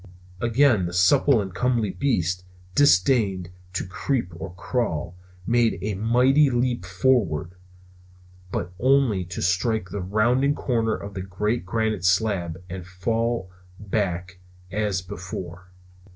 Again the supple and comely beast, disdaining to creep or crawl, made a mighty leap upward. But only to strike the rounding corner of the great granite slab and fall back as before.